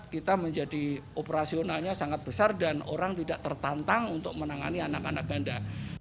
kita menjadi operasionalnya sangat besar dan orang tidak tertantang untuk menangani anak anak ganda